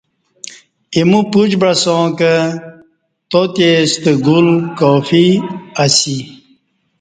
ایمو پوچ بعساں کہ تاتے ستہ گُل کافی اسی